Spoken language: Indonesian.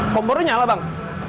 kompornya nyala bang